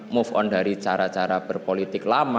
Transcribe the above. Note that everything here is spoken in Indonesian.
move on dari cara cara berpolitik lama